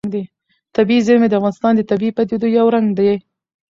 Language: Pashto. طبیعي زیرمې د افغانستان د طبیعي پدیدو یو رنګ دی.